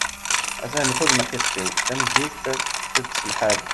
at-ah yemxudneq yixef-iw, tameddit ad tett lḥal